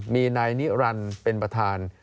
มีนายนิรันดิ์เป็นประธาน